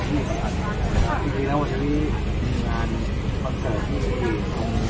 มีมีเรื่องรับรับพี่พี่พี่ครับอ่า